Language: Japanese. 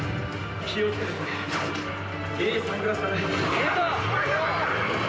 ありがとう！